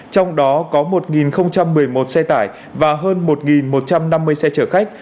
trong đó có một một mươi một xe tải và hơn một một trăm năm mươi xe chở khách